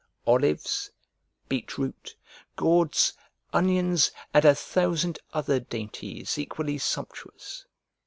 Olives, beet root, gourds, onions, and a thousand other dainties equally sumptuous.